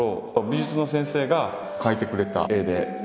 美術の先生が描いてくれた絵で。